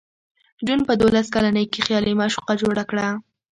جون په دولس کلنۍ کې خیالي معشوقه جوړه کړه